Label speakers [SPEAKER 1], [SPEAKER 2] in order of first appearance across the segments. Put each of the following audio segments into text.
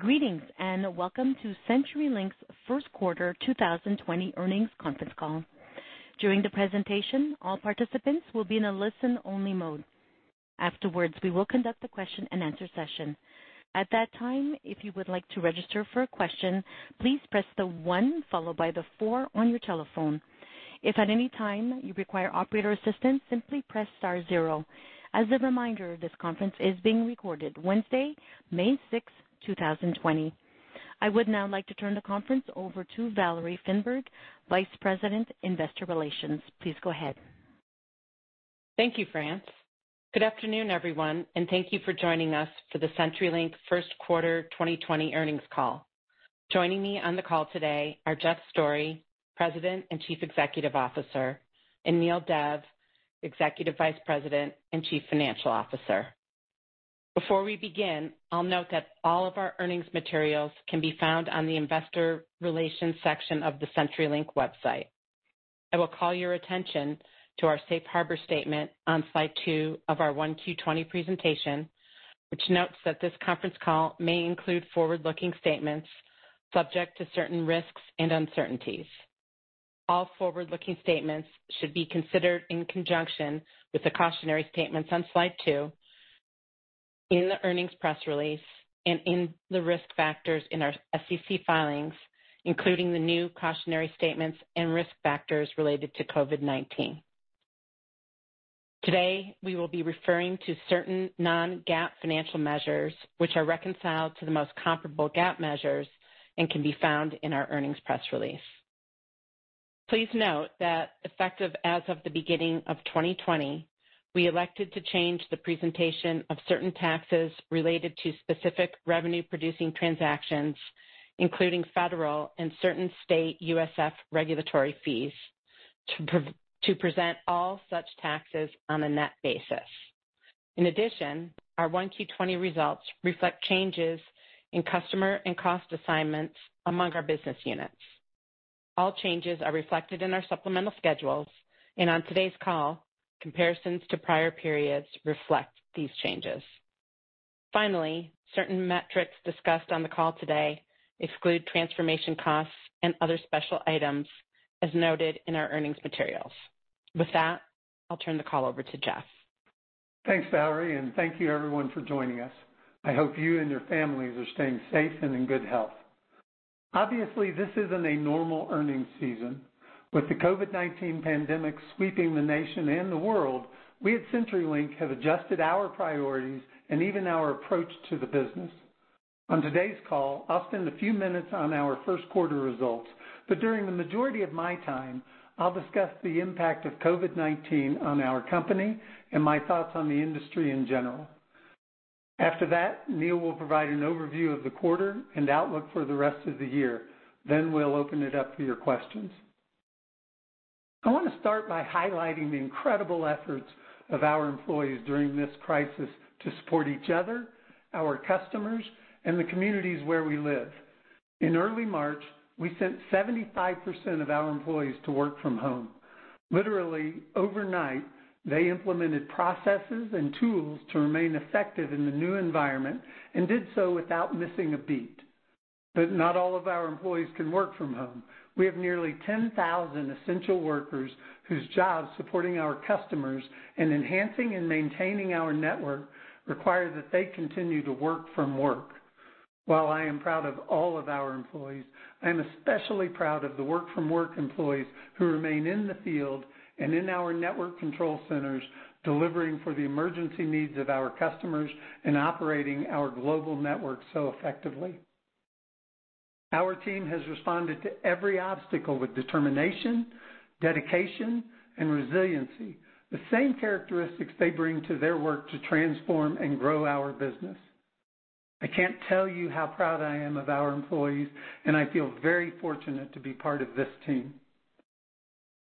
[SPEAKER 1] Greetings and welcome to CenturyLink's first quarter 2020 earnings conference call. During the presentation, all participants will be in a listen-only mode. Afterwards, we will conduct the question-and-answer session. At that time, if you would like to register for a question, please press the one followed by the four on your telephone. If at any time you require Operator Assistance, simply press star 0. As a reminder, this conference is being recorded Wednesday, May 6, 2020. I would now like to turn the conference over to Valerie Finberg, Vice President, Investor Relations. Please go ahead.
[SPEAKER 2] Thank you, France. Good afternoon, everyone, and thank you for joining us for the CenturyLink first quarter 2020 earnings call. Joining me on the call today are Jeff Storey, President and Chief Executive Officer, and Neel Dev, Executive Vice President and Chief Financial Officer. Before we begin, I'll note that all of our earnings materials can be found on the Investor Relations section of the CenturyLink website. I will call your attention to our Safe Harbor Statement on slide two of our 1Q20 presentation, which notes that this conference call may include Forward-Looking Statements subject to certain risks and uncertainties. All Forward-Looking Statements should be considered in conjunction with the cautionary statements on slide two, in the Eearnings Press Release, and in the risk factors in our SEC Filings, including the new Cautionary Statements and Risk Factors related to COVID-19. Today, we will be referring to certain non-GAAP Financial Measures, which are reconciled to the most comparable GAAP Measures and can be found in our Earnings Press Release. Please note that effective as of the beginning of 2020, we elected to change the presentation of certain taxes related to specific Revenue-producing Transactions, including Federal and certain State USF Regulatory fees, to present all such Taxes on a Net basis. In addition, our 1Q20 results reflect changes in customer and cost assignments among our Business units. All changes are reflected in our supplemental schedules, and on today's call, comparisons to prior periods reflect these changes. Finally, certain metrics discussed on the call today exclude transformation costs and other special items as noted in our Earnings Materials. With that, I'll turn the call over to Jeff.
[SPEAKER 3] Thanks, Valerie, and thank you, everyone, for joining us. I hope you and your families are staying safe and in good health. Obviously, this isn't a normal Earnings Season. With the COVID-19 pandemic sweeping the Nation and the world, we at CenturyLink have adjusted our priorities and even our approach to the business. On today's call, I'll spend a few minutes on our first quarter results, but during the majority of my time, I'll discuss the impact of COVID-19 on our company and my thoughts on the industry in general. After that, Neel will provide an overview of the quarter and outlook for the rest of the year. We will open it up for your questions. I want to start by highlighting the incredible efforts of our employees during this crisis to support each other, our customers, and the communities where we live. In early March, we sent 75% of our employees to work from home. Literally, overnight, they implemented processes and tools to remain effective in the new environment and did so without missing a beat. Not all of our employees can work from home. We have nearly 10,000 Essential Workers whose jobs supporting our customers and enhancing and maintaining our Network require that they continue to work-from-work. While I am proud of all of our employees, I am especially proud of the work-from-work employees who remain in the field and in our Network Control Centers delivering for the emergency needs of our customers and operating our Global Network so effectively. Our Team has responded to every obstacle with determination, dedication, and resiliency, the same characteristics they bring to their work to transform and grow our business. I can't tell you how proud I am of our employees, and I feel very fortunate to be part of this team.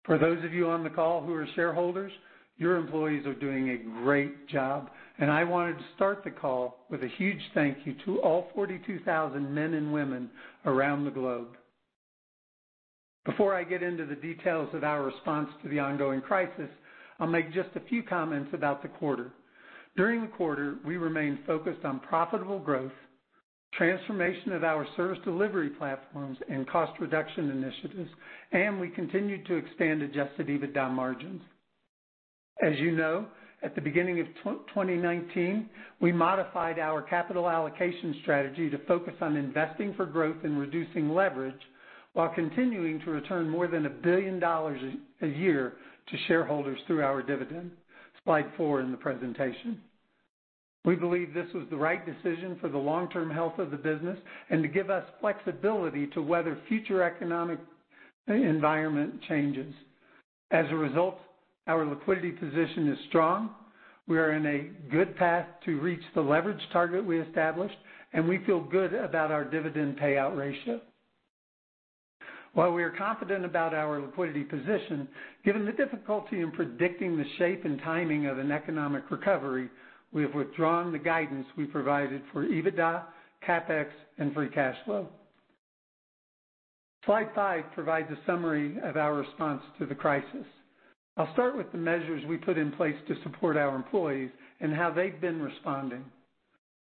[SPEAKER 3] For those of you on the call who are Shareholders, your employees are doing a great job, and I wanted to start the call with a huge thank you to all 42,000 men and women around the Globe. Before I get into the details of our response to the ongoing crisis, I'll make just a few comments about the quarter. During the quarter, we remained focused on Profitable Growth, transformation of our Service Delivery Platforms, and Cost Reduction initiatives, and we continued to expand Adjusted EBITDA Margins. As you know, at the beginning of 2019, we modified our Capital Allocation Strategy to focus on investing for growth and reducing leverage while continuing to return more than $1 billion a year to Shareholders through our dividend, slide four in the presentation. We believe this was the right decision for the long-term health of the business and to give us flexibility to weather future Economic Environment changes. As a result, our Liquidity position is strong. We are in a good path to reach the leverage target we established, and we feel good about our dividend payout ratio. While we are confident about our Liquidity position, given the difficulty in predicting the shape and timing of an Economic Recovery, we have withdrawn the guidance we provided for EBITDA, CapEx, and Free Cash Flow. Slide five provides a summary of our response to the crisis. I'll start with the measures we put in place to support our employees and how they've been responding.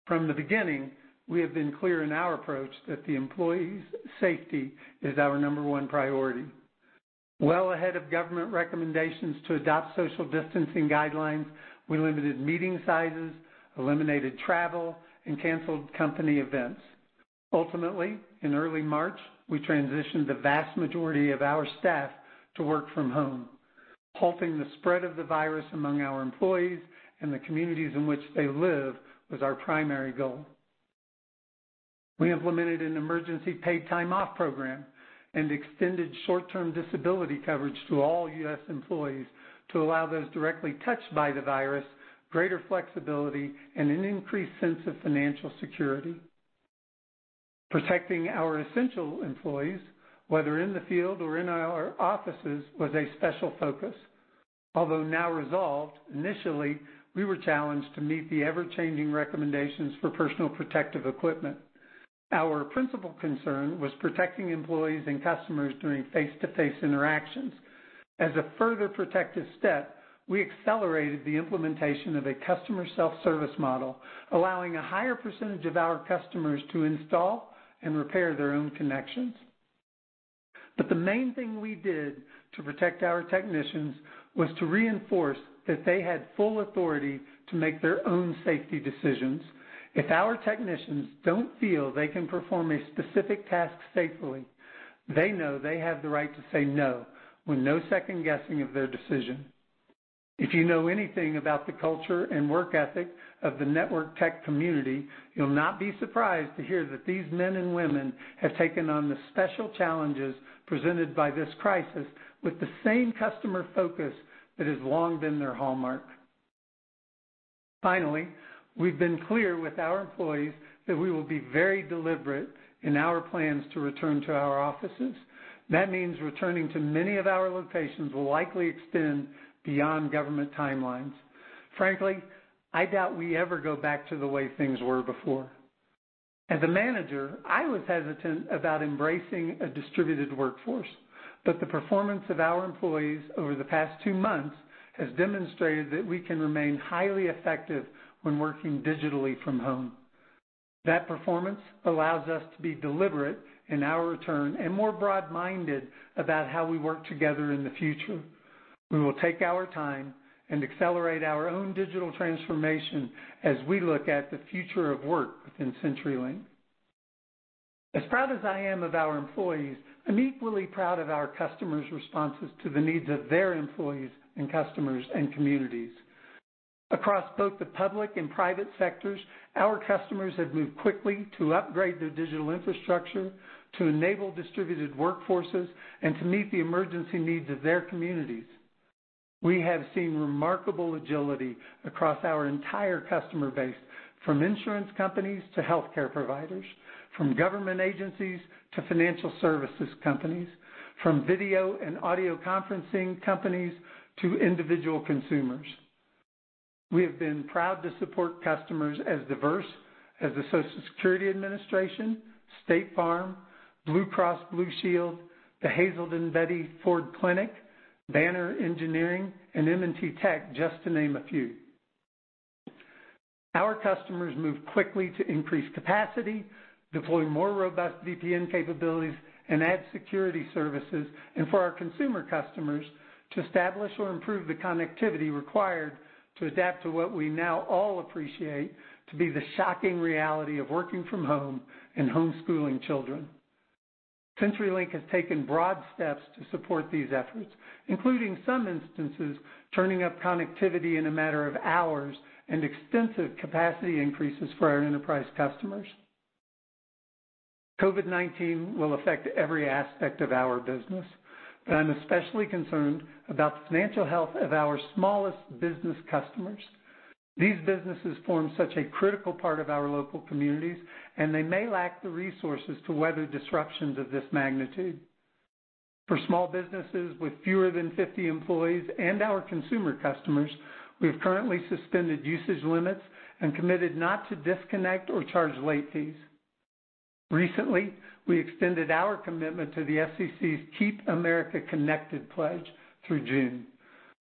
[SPEAKER 3] From the beginning, we have been clear in our approach that the Employee's Safety is our number one priority. Ahead of Government recommendations to adopt Social Distancing Guidelines, we limited meeting sizes, eliminated travel, and canceled Company Events. Ultimately, in early March, we transitioned the vast majority of our staff to work from home. Halting the spread of the Virus among our employees and the communities in which they live was our primary goal. We implemented an Emergency Paid time-off Program and extended short-term Disability Coverage to all U.S. Employees to allow those directly touched by the Virus greater flexibility and an increased sense of Financial Security. Protecting our essential employees, whether in the field or in our offices, was a special focus. Although now resolved, initially, we were challenged to meet the ever-changing recommendations for Personal Protective Equipment. Our principal concern was protecting employees and customers during face-to-face interactions. As a further protective step, we accelerated the implementation of a customer Self-Service Model, allowing a higher percentage of our customers to install and repair their own connections. The main thing we did to protect our Technicians was to reinforce that they had full authority to make their own Safety Decisions. If our Technicians do not feel they can perform a specific task safely, they know they have the right to say no with no second-guessing of their decision. If you know anything about the culture and work ethic of the Network Tech Community, you'll not be surprised to hear that these men and women have taken on the special challenges presented by this crisis with the same customer focus that has long been their hallmark. Finally, we've been clear with our employees that we will be very deliberate in our plans to return to our offices. That means returning to many of our locations will likely extend beyond Government Timelines. Frankly, I doubt we ever go back to the way things were before. As a Manager, I was hesitant about embracing a distributed workforce, but the performance of our employees over the past two months has demonstrated that we can remain highly effective when working digitally from home. That performance allows us to be deliberate in our return and more broad-minded about how we work together in the future. We will take our time and accelerate our own Digital Transformation as we look at the future of work within CenturyLink. As proud as I am of our employees, I'm equally proud of our customers' responses to the needs of their employees and customers and communities. Across both the Public and Private Sectors, our customers have moved quickly to upgrade their Digital infrastructure, to enable distributed workforces, and to meet the Emergency Needs of their communities. We have seen remarkable agility across our entire customer base, from Insurance Companies to Healthcare Providers, from Government Agencies to Financial Services Companies, from Video and Audio Conferencing Companies to Individual Consumers. We have been proud to support customers as diverse as the Social Security Administration, State Farm, Blue Cross Blue Shield, the Hazelden Betty Ford Clinic, Banner Engineering, and M&T Tech, just to name a few. Our customers move quickly to increase capacity, deploy more robust VPN capabilities, and add Security Services, and for our Consumer Customers, to establish or improve the connectivity required to adapt to what we now all appreciate to be the shocking reality of Working from Home and Homeschooling Children. CenturyLink has taken broad steps to support these efforts, including some instances turning up connectivity in a matter of hours and extensive capacity increases for our enterprise customers. COVID-19 will affect every aspect of our business, but I'm especially concerned about the Financial Health of our smallest Business Customers. These businesses form such a critical part of our Local Communities, and they may lack the Resources to weather disruptions of this magnitude. For small businesses with fewer than 50 employees and our Consumer Customers, we have currently suspended usage limits and committed not to disconnect or charge late fees. Recently, we extended our commitment to the FCC's Keep America Connected pledge through June.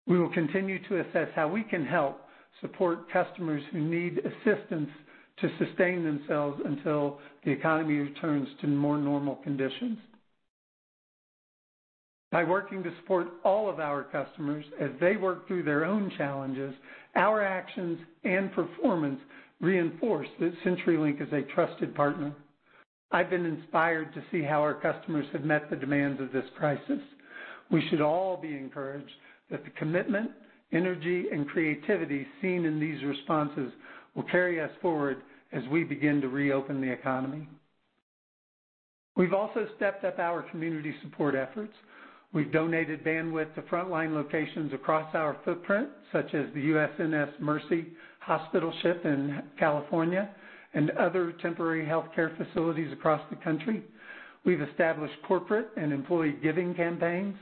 [SPEAKER 3] We will continue to assess how we can help support customers who need assistance to sustain themselves until the economy returns to more normal conditions. By working to support all of our customers as they work through their own challenges, our actions and performance reinforce that CenturyLink is a trusted partner. I've been inspired to see how our customers have met the demands of this crisis. We should all be encouraged that the commitment, energy, and creativity seen in these responses will carry us forward as we begin to reopen the economy. We've also stepped up our Community Support Efforts. We've donated bandwidth to frontline locations across our footprint, such as the USNS Mercy Hospital ship in California and other temporary Healthcare Facilities across the country. We've established corporate and employee giving campaigns.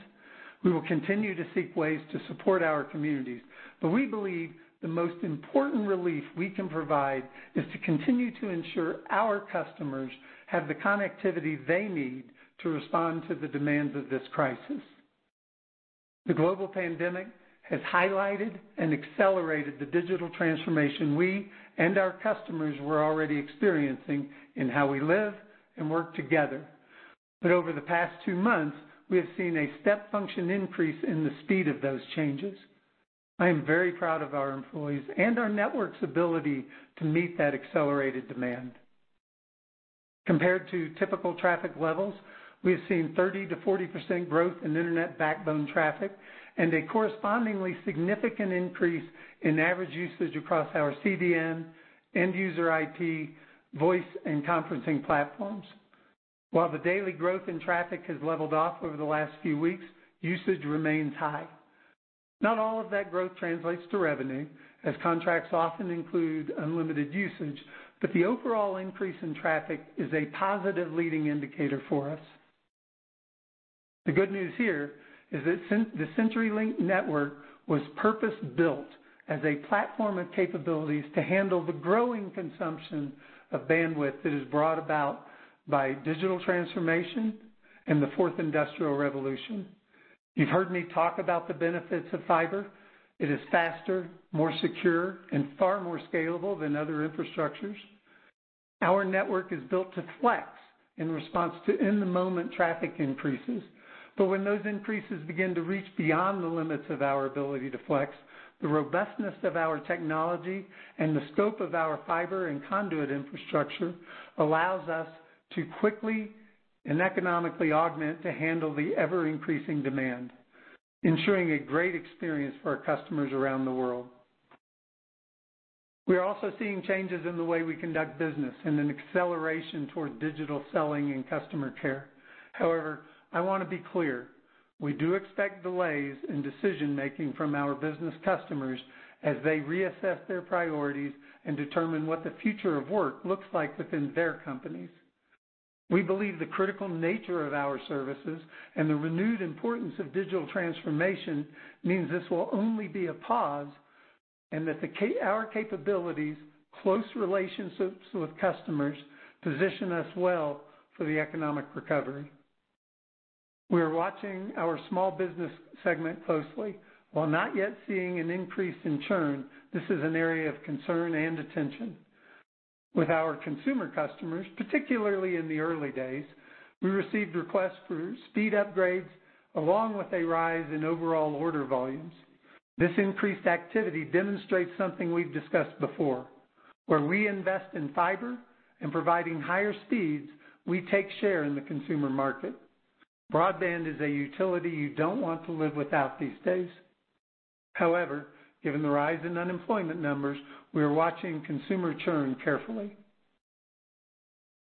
[SPEAKER 3] We will continue to seek ways to support our communities, but we believe the most important relief we can provide is to continue to ensure our customers have the connectivity they need to respond to the demands of this crisis. The Global pandemic has highlighted and accelerated the Digital Transformation we and our customers were already experiencing in how we live and work together. Over the past two months, we have seen a step function increase in the speed of those changes. I am very proud of our employees and our Network's ability to meet that accelerated demand. Compared to typical traffic levels, we have seen 30%-40% growth in internet backbone traffic and a correspondingly significant increase in average usage across our CDN, end-user IP, Voice, and Conferencing platforms. While the daily growth in traffic has leveled off over the last few weeks, usage remains high. Not all of that growth translates to revenue, as contracts often include unlimited usage, but the overall increase in traffic is a positive leading indicator for us. The good news here is that the CenturyLink Network was purpose-built as a platform of capabilities to handle the growing consumption of bandwidth that is brought about by Digital Transformation and the Fourth Industrial Revolution. You've heard me talk about the benefits of Fiber. It is faster, more secure, and far more scalable than other infrastructures. Our Network is built to Flex in response to in-the-moment traffic increases, but when those increases begin to reach beyond the limits of our ability to Flex, the robustness of our Technology and the scope of our Fiber In Conduit infrastructure allows us to quickly and Economically augment to handle the ever-increasing demand, ensuring a great experience for our customers around the world. We are also seeing changes in the way we conduct business and an acceleration toward Digital Selling and Customer Care. However, I want to be clear. We do expect delays in decision-making from our business customers as they reassess their priorities and determine what the future of work looks like within their companies. We believe the critical nature of our services and the renewed importance of Digital Transformation means this will only be a pause and that our capabilities, close relationships with customers, position us well for the Economic Recovery. We are watching our small Business segment closely. While not yet seeing an increase in churn, this is an area of concern and attention. With our consumer customers, particularly in the early days, we received requests for speed upgrades along with a rise in overall order volumes. This increased activity demonstrates something we've discussed before. Where we invest in Fiber and providing higher speeds, we take share in the Consumer Market. Broadband is a utility you don't want to live without these days. However, given the rise in unemployment numbers, we are watching consumer churn carefully.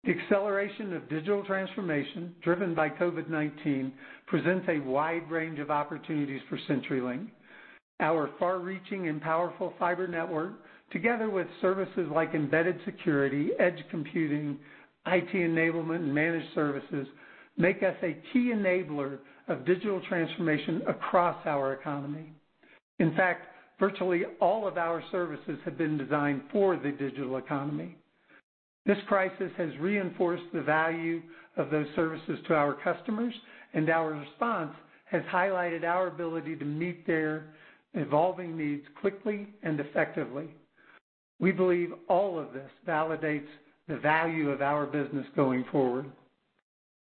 [SPEAKER 3] The acceleration of Digital Transformation driven by COVID-19 presents a wide range of opportunities for CenturyLink. Our far-reaching and powerful Fiber Network, together with services like embedded security, edge computing, IT enablement, and managed services, make us a key enabler of Digital Transformation across our economy. In fact, virtually all of our services have been designed for the Digital Economy. This crisis has reinforced the value of those services to our customers, and our response has highlighted our ability to meet their evolving needs quickly and effectively. We believe all of this validates the value of our business going forward.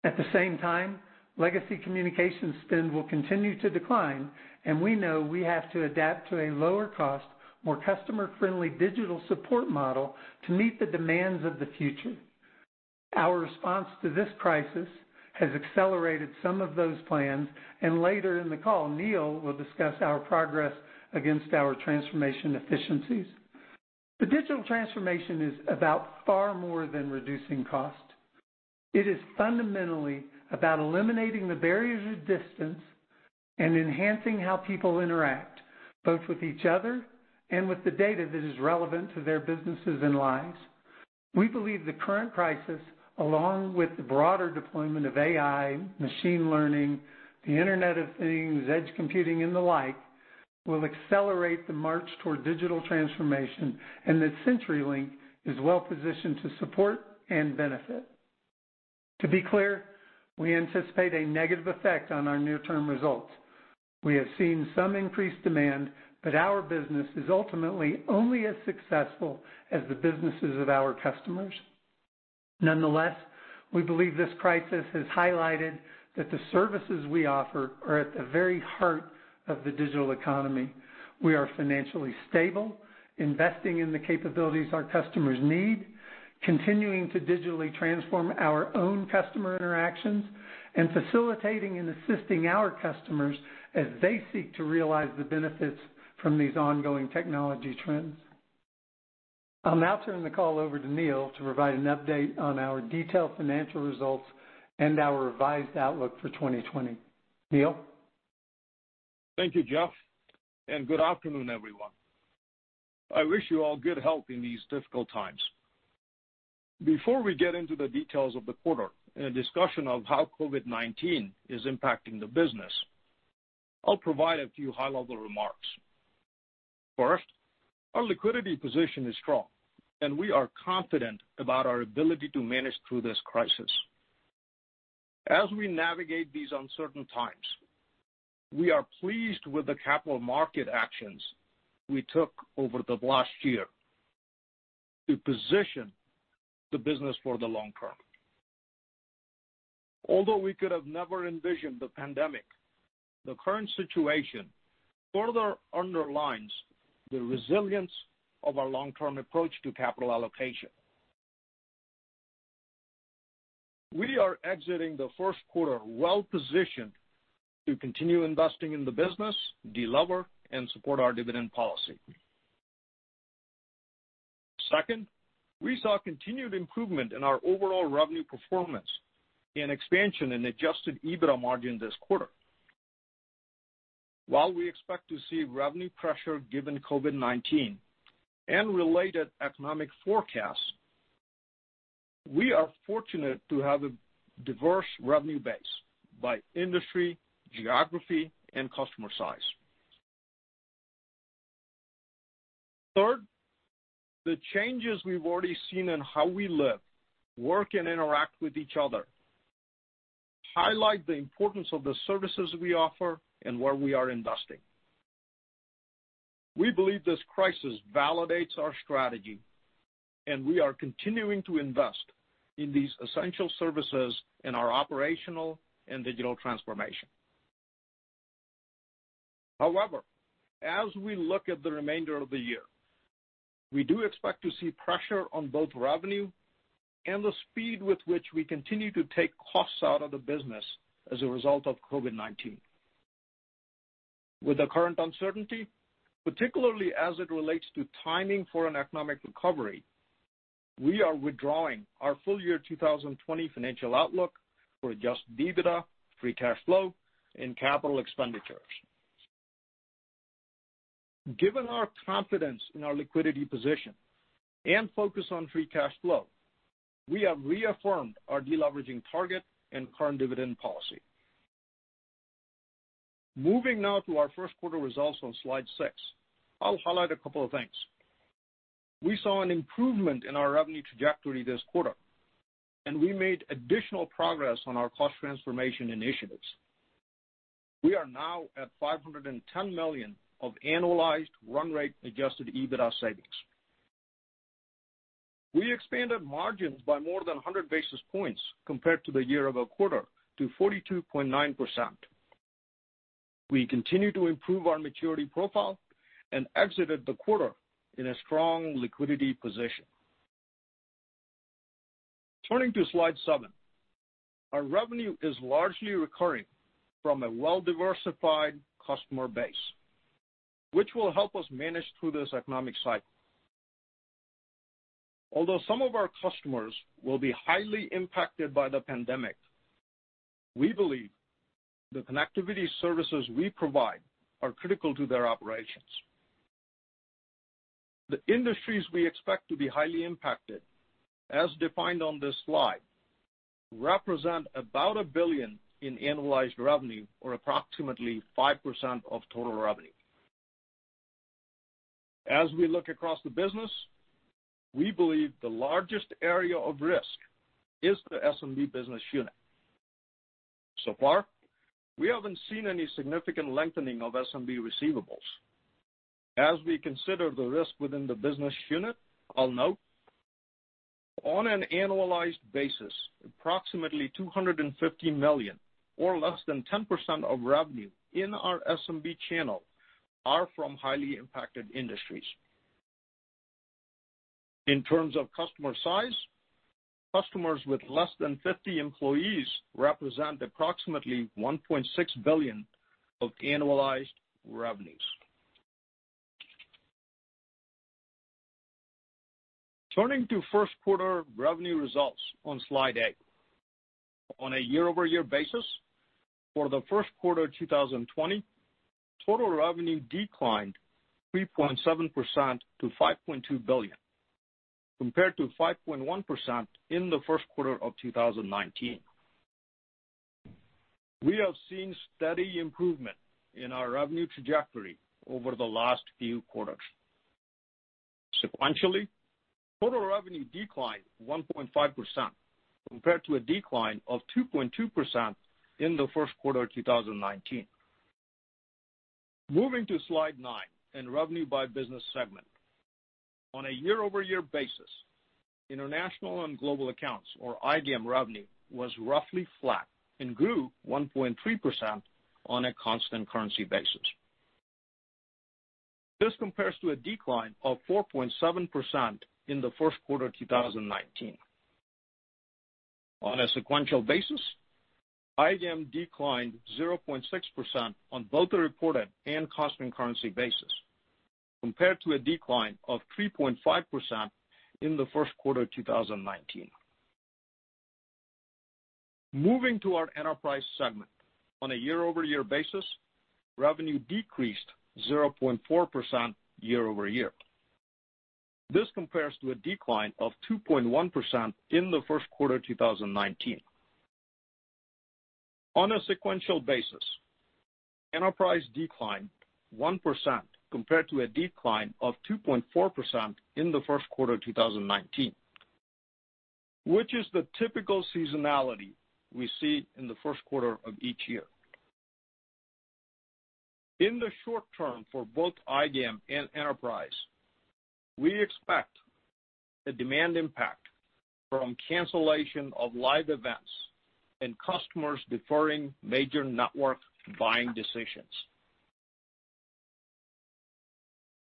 [SPEAKER 3] At the same time, legacy Communications spend will continue to decline, and we know we have to adapt to a lower-cost, more customer-friendly Digital Support Model to meet the demands of the future. Our response to this crisis has accelerated some of those plans, and later in the call, Neel will discuss our progress against our transformation efficiencies. Digital Transformation is about far more than reducing Cost. It is fundamentally about eliminating the barriers of distance and enhancing how people interact, both with each other and with the data that is relevant to their businesses and lives. We believe the current crisis, along with the broader deployment of AI, Machine Learning, the Internet of Things, edge computing, and the like, will accelerate the march toward Digital Transformation and that CenturyLink is well-positioned to support and benefit. To be clear, we anticipate a negative effect on our near-term results. We have seen some increased demand, but our business is ultimately only as successful as the businesses of our customers. Nonetheless, we believe this crisis has highlighted that the services we offer are at the very heart of the Digital Economy. We are Financially stable, investing in the capabilities our customers need, continuing to digitally transform our own customer interactions, and facilitating and assisting our customers as they seek to realize the benefits from these ongoing technology trends. I'll now turn the call over to Neel to provide an update on our detailed financial results and our revised outlook for 2020. Neel?
[SPEAKER 4] Thank you, Jeff, and good afternoon, everyone. I wish you all good health in these difficult times. Before we get into the details of the quarter and a discussion of how COVID-19 is impacting the business, I'll provide a few high-level remarks. First, our Liquidity position is strong, and we are confident about our ability to manage through this crisis. As we navigate these uncertain times, we are pleased with the capital market actions we took over the last year to position the business for the long term. Although we could have never envisioned the pandemic, the current situation further underlines the resilience of our long-term approach to capital allocation. We are exiting the first quarter well-positioned to continue investing in the business, deliver, and support our dividend policy. Second, we saw continued improvement in our overall revenue performance and expansion in Adjusted EBITDA Margin this quarter. While we expect to see revenue pressure given COVID-19 and related economic forecasts, we are fortunate to have a diverse revenue base by Industry, Geography, and Customer size. Third, the changes we've already seen in how we live, work, and interact with each other highlight the importance of the services we offer and where we are investing. We believe this crisis validates our strategy, and we are continuing to invest in these essential Services and our Operational and Digital Transformation. However, as we look at the remainder of the year, we do expect to see pressure on both revenue and the speed with which we continue to take costs out of the business as a result of COVID-19. With the current uncertainty, particularly as it relates to timing for an economic recovery, we are withdrawing our full-year 2020 Financial outlook for Adjusted EBITDA, Free Cash Flow, and Capital Expenditures. Given our confidence in our liquidity position and focus on free cash flow, we have reaffirmed our deleveraging target and current dividend policy. Moving now to our first quarter results on slide six, I'll highlight a couple of things. We saw an improvement in our revenue trajectory this quarter, and we made additional progress on our cost transformation initiatives. We are now at $510 million of Annualized Run-Rate Adjusted EBITDA savings. We expanded margins by more than 100 basis points compared to the year of a quarter to 42.9%. We continue to improve our maturity profile and exited the quarter in a strong Liquidity position. Turning to slide seven, our revenue is largely recurring from a well-diversified customer base, which will help us manage through this Economic cycle. Although some of our customers will be highly impacted by the pandemic, we believe the connectivity services we provide are critical to their operations. The industries we expect to be highly impacted, as defined on this slide, represent about $1 billion in Annualized Revenue or approximately 5% of total revenue. As we look across the business, we believe the largest area of risk is the SMB Business unit. So far, we haven't seen any significant lengthening of SMB Receivables. As we consider the risk within the business unit, I'll note on an Annualized basis, approximately $250 million or less than 10% of revenue in our SMB cChannel are from highly impacted industries. In terms of customer size, customers with less than 50 employees represent approximately $1.6 billion of Annualized Revenues. Turning to first quarter revenue results on slide eight, on a year-over-year basis, for the first quarter of 2020, Total Revenue declined 3.7% to $5.2 billion, compared to 5.1% in the first quarter of 2019. We have seen steady improvement in our Revenue trajectory over the last few quarters. Sequentially, Total Revenue declined 1.5% compared to a decline of 2.2% in the first quarter of 2019. Moving to slide nine and revenue by business segment, on a year-over-year basis, International and Global accounts, or IDM Revenue, was roughly flat and grew 1.3% on a constant currency basis. This compares to a decline of 4.7% in the first quarter of 2019. On a sequential basis, IDM declined 0.6% on both the reported and constant currency basis, compared to a decline of 3.5% in the first quarter of 2019. Moving to our enterprise segment, on a year-over-year basis, revenue decreased 0.4% year-over-year. This compares to a decline of 2.1% in the first quarter of 2019. On a sequential basis, enterprise declined 1% compared to a decline of 2.4% in the first quarter of 2019, which is the typical seasonality we see in the first quarter of each year. In the short term for both IDM and Enterprise, we expect a demand impact from cancellation of live events and customers deferring major Network Buying Decisions.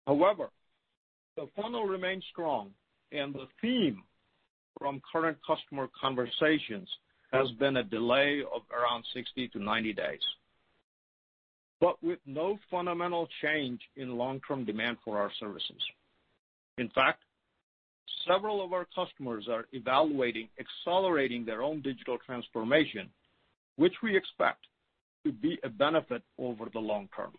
[SPEAKER 4] However, the funnel remains strong, and the theme from current customer conversations has been a delay of around 60-90 days, but with no fundamental change in long-term demand for our services. In fact, several of our customers are evaluating accelerating their own Digital Transformation, which we expect to be a benefit over the long term.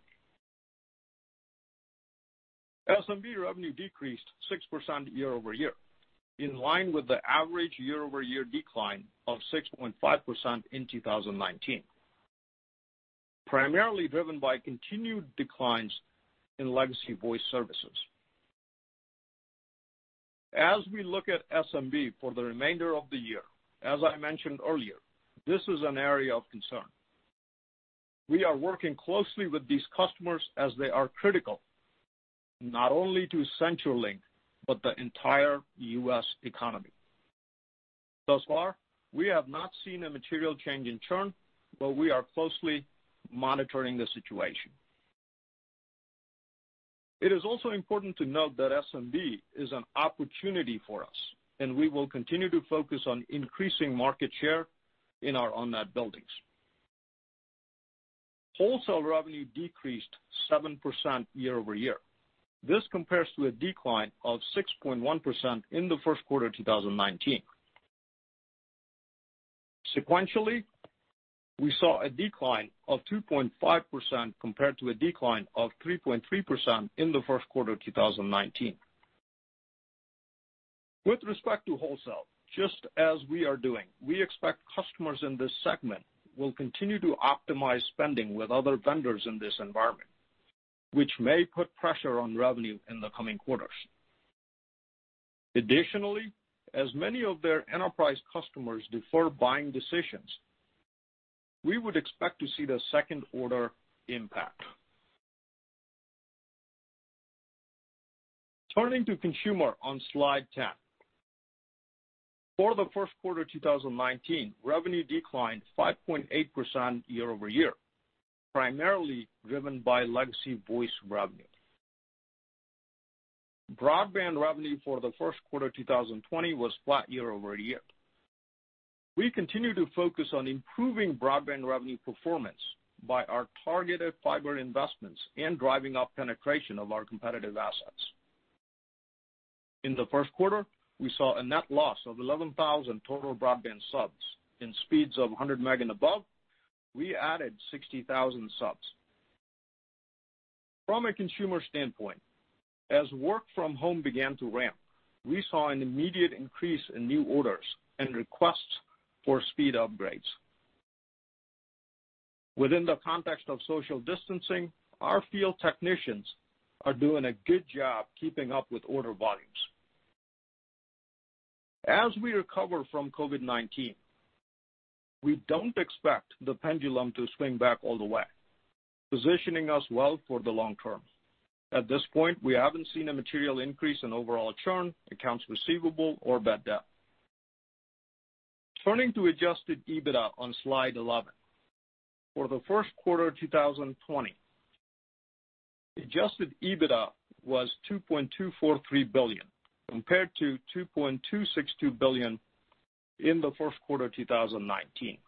[SPEAKER 4] SMB Revenue decreased 6% year-over-year, in line with the average year-over-year decline of 6.5% in 2019, primarily driven by continued declines in legacy voice services. As we look at SMB for the remainder of the year, as I mentioned earlier, this is an area of concern. We are working closely with these customers as they are critical not only to CenturyLink but the entire U.S. Economy. Thus far, we have not seen a material change in churn, but we are closely monitoring the situation. It is also important to note that SMB is an opportunity for us, and we will continue to focus on increasing market share in our unmet buildings. Wholesale revenue decreased 7% year-over-year. This compares to a decline of 6.1% in the first quarter of 2019. Sequentially, we saw a decline of 2.5% compared to a decline of 3.3% in the first quarter of 2019. With respect to wholesale, just as we are doing, we expect customers in this segment will continue to optimize spending with other vendors in this environment, which may put pressure on revenue in the coming quarters. Additionally, as many of their enterprise customers defer buying decisions, we would expect to see the second quarter impact. Turning to consumer on slide 10, for the first quarter of 2019, revenue declined 5.8% year-over-year, primarily driven by legacy voice revenue. Broadband revenue for the first quarter of 2020 was flat year-over-year. We continue to focus on improving Broadband Revenue performance by our targeted Fiber Investments and driving up penetration of our competitive assets. In the first quarter, we saw a Net loss of 11,000 total Broadband subs. In speeds of 100 meg and above, we added 60,000 subs. From a consumer standpoint, as work from home began to ramp, we saw an immediate increase in new orders and requests for speed upgrades. Within the context of social distancing, our Field Technicians are doing a good job keeping up with order volumes. As we recover from COVID-19, we do not expect the pendulum to swing back all the way, positioning us well for the long term. At this point, we have not seen a material increase in overall churn, accounts receivable, or bad debt. Turning to Adjusted EBITDA on slide 11, for the first quarter of 2020, Adjusted EBITDA was $2.243 billion compared to $2.262 billion in the first quarter of 2019.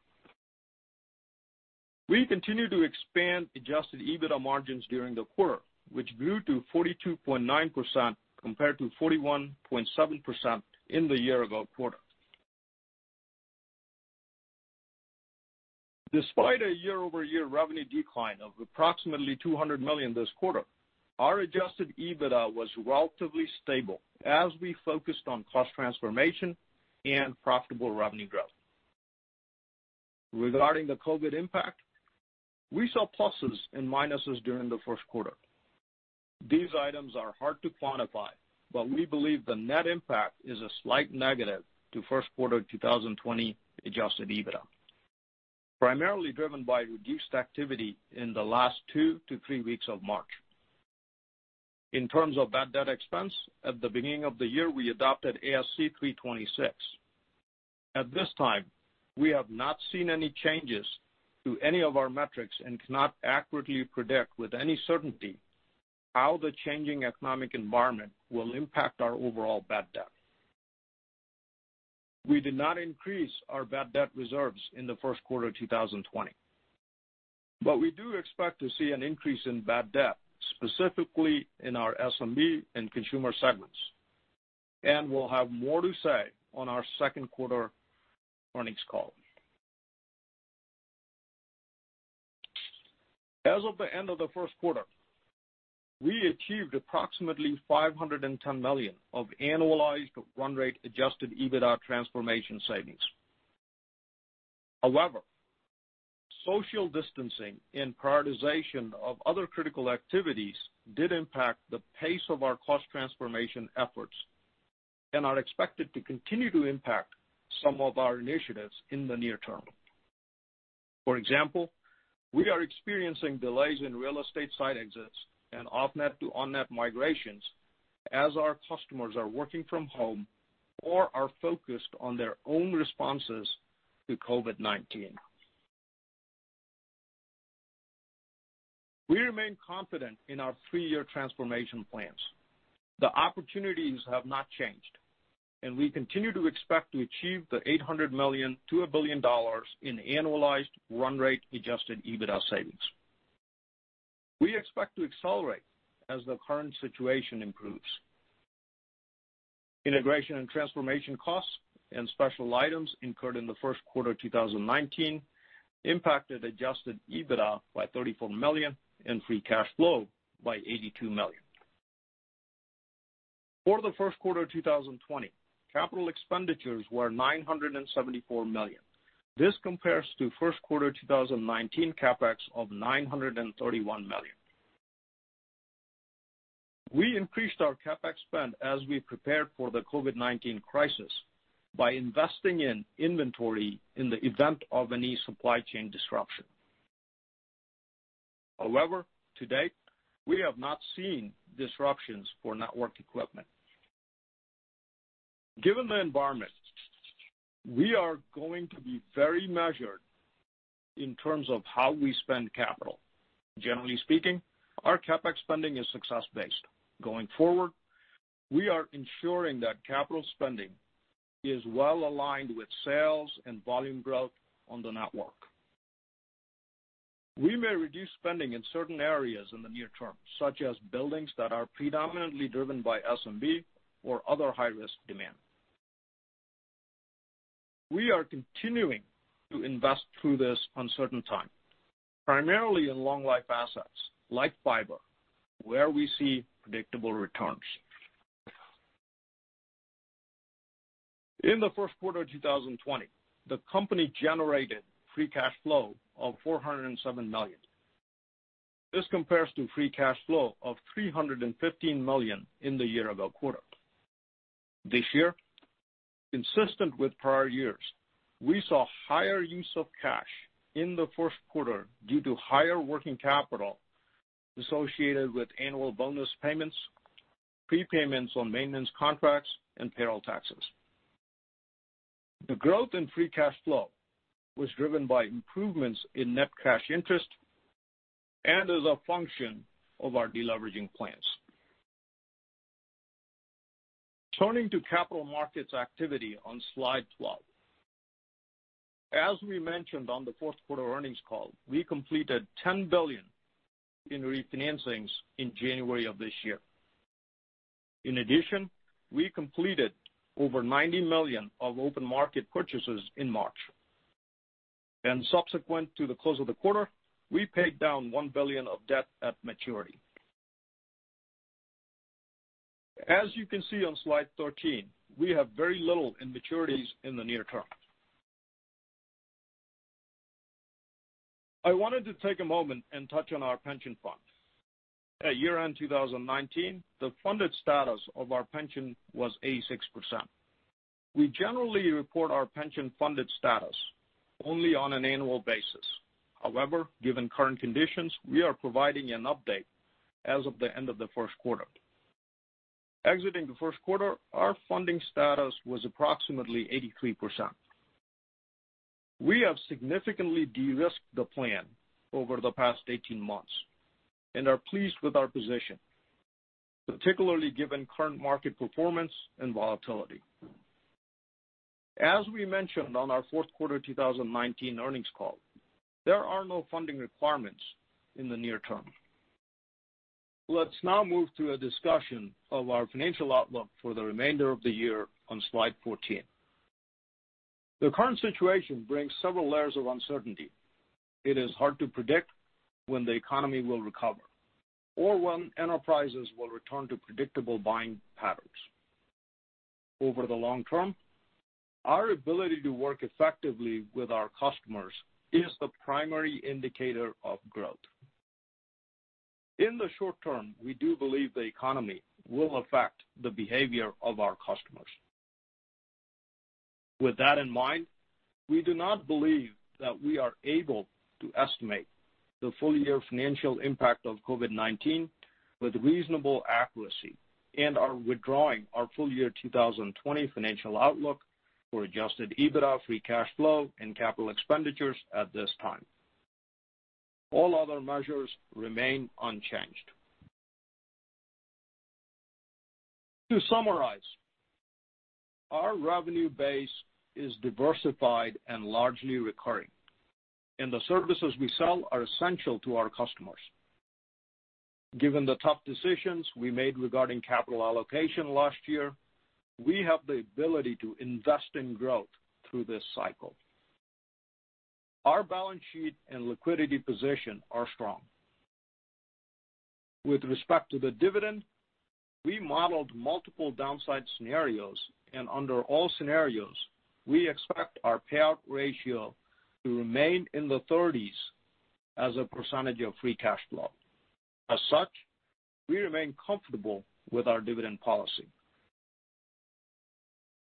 [SPEAKER 4] We continue to expand Adjusted EBITDA Margins during the quarter, which grew to 42.9% compared to 41.7% in the year-ago quarter. Despite a year-over-year revenue decline of approximately $200 million this quarter, our Adjusted EBITDA was relatively stable as we focused on Cost transformation and profitable Revenue Growth. Regarding the COVID impact, we saw pluses and minuses during the first quarter. These items are hard to quantify, but we believe the net impact is a slight negative to first quarter 2020 Adjusted EBITDA, primarily driven by reduced activity in the last two to three weeks of March. In terms of bad debt expense, at the beginning of the year, we adopted ASC 326. At this time, we have not seen any changes to any of our metrics and cannot accurately predict with any certainty how the changing economic environment will impact our overall bad debt. We did not increase our bad debt reserves in the first quarter of 2020, but we do expect to see an increase in bad debt, specifically in our SMB and consumer segments, and we'll have more to say on our second quarter earnings call. As of the end of the first quarter, we achieved approximately $510 million of Annualized Run-Rate Adjusted EBITDA transformation savings. However, social distancing and prioritization of other critical activities did impact the pace of our cost transformation efforts and are expected to continue to impact some of our initiatives in the near term. For example, we are experiencing delays in real estate site exits and off-Net to on-Net migrations as our customers are working from home or are focused on their own responses to COVID-19. We remain confident in our three-year transformation plans. The opportunities have not changed, and we continue to expect to achieve the $800 million-$1 billion in Annualized Run-Rate Adjusted EBITDA savings. We expect to accelerate as the current situation improves. Integration and Transformation Costs and special items incurred in the first quarter of 2019 impacted Adjusted EBITDA by $34 million and free cash flow by $82 million. For the first quarter of 2020, Capital Expenditures were $974 million. This compares to first quarter 2019 CapEx of $931 million. We increased our CapEx spend as we prepared for the COVID-19 crisis by investing in inventory in the event of any supply chain disruption. However, to date, we have not seen disruptions for Network Equipment. Given the environment, we are going to be very measured in terms of how we spend capital. Generally speaking, our CapEx spending is success-based. Going forward, we are ensuring that capital spending is well aligned with sales and volume growth on the Network. We may reduce spending in certain areas in the near term, such as buildings that are predominantly driven by SMB or other high-risk demand. We are continuing to invest through this uncertain time, primarily in long-life assets like Fiber, where we see predictable returns. In the first quarter of 2020, the company generated free cash flow of $407 million. This compares to free cash flow of $315 million in the year-ago quarter. This year, consistent with prior years, we saw higher use of cash in the first quarter due to higher working capital associated with Annual Bonus payments, prepayments on maintenance contracts, and payroll taxes. The growth in Free Cash Flow was driven by improvements in Net Cash Interest and as a function of our deleveraging plans. Turning to Capital Markets Activity on slide 12, as we mentioned on the fourth quarter earnings call, we completed $10 billion in refinancings in January of this year. In addition, we completed over $90 million of open market purchases in March. Subsequent to the close of the quarter, we paid down $1 billion of debt at maturity. As you can see on slide 13, we have very little in maturities in the near term. I wanted to take a moment and touch on our pension fund. At year-end 2019, the Funded Status of our pension was 86%. We generally report our pension funded status only on an annual basis. However, given current conditions, we are providing an update as of the end of the first quarter. Exiting the first quarter, our Funding Status was approximately 83%. We have significantly de-risked the plan over the past 18 months and are pleased with our position, particularly given current market performance and volatility. As we mentioned on our fourth quarter 2019 Earnings Call, there are no funding requirements in the near term. Let's now move to a discussion of our Financial outlook for the remainder of the year on slide 14. The current situation brings several layers of uncertainty. It is hard to predict when the economy will recover or when enterprises will return to predictable buying patterns. Over the long term, our ability to work effectively with our customers is the primary indicator of growth. In the short term, we do believe the economy will affect the behavior of our customers. With that in mind, we do not believe that we are able to estimate the full-year financial impact of COVID-19 with reasonable accuracy and are withdrawing our full-year 2020 financial outlook for Adjusted EBITDA, Free Cash Flow, and Capital Expenditures at this time. All other measures remain unchanged. To summarize, our revenue base is diversified and largely recurring, and the services we sell are essential to our customers. Given the tough decisions we made regarding Capital Allocation last year, we have the ability to invest in growth through this cycle. Our Balance Sheet and Liquidity position are strong. With respect to the dividend, we modeled multiple downside scenarios, and under all scenarios, we expect our payout ratio to remain in the 30s as a percentage of Free Cash Flow. As such, we remain comfortable with our dividend policy.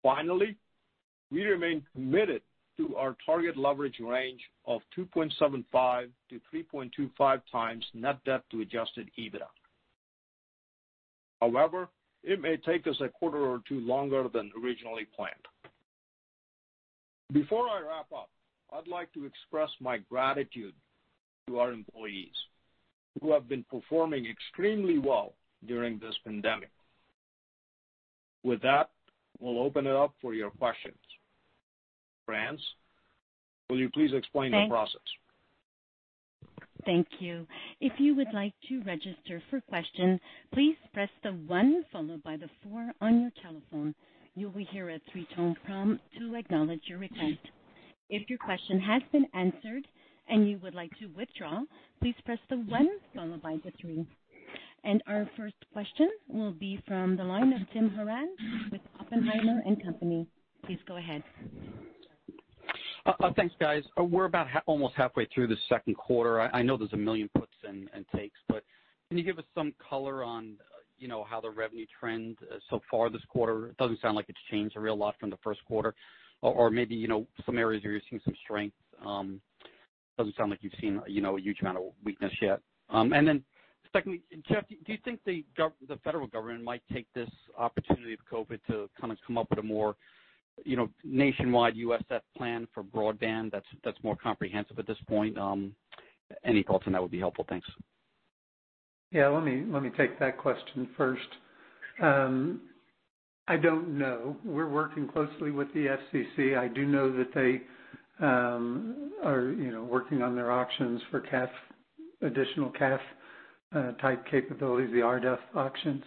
[SPEAKER 4] Finally, we remain committed to our Target Leverage range of 2.75-3.25 times Net debt to Adjusted EBITDA. However, it may take us a quarter or two longer than originally planned. Before I wrap up, I'd like to express my gratitude to our employees who have been performing extremely well during this pandemic. With that, we'll open it up for your questions. France, will you please explain the process?
[SPEAKER 1] Thank you. If you would like to register for questions, please press the one followed by the four on your telephone. You'll be here at three tone prompt to acknowledge your request. If your question has been answered and you would like to withdraw, please press the one followed by the three. Our first question will be from the line of Tim Horan with Oppenheimer & Company. Please go ahead.
[SPEAKER 5] Thanks, guys. We're about almost halfway through the second quarter. I know there's a million puts and takes, but can you give us some color on how the revenue trend is so far this quarter? It doesn't sound like it's changed a real lot from the first quarter, or maybe some areas where you're seeing some strength. It doesn't sound like you've seen a huge amount of weakness yet. Secondly, Jeff, do you think the Federal Government might take this opportunity of COVID to kind of come up with a more Nationwide USF plan for Broadband that's more comprehensive at this point? Any thoughts on that would be helpful. Thanks.
[SPEAKER 3] Yeah, let me take that question first. I don't know. We're working closely with the FCC. I do know that they are working on their auctions for additional CAF-type capabilities, the RDOF auctions.